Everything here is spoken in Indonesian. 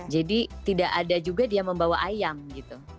jadi tidak ada juga dia membawa ayam gitu